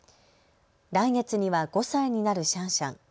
来月には５歳になるシャンシャン。